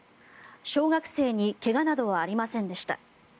小学生に怪我などはありませんでした。